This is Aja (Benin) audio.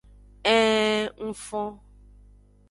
Ee ng fon.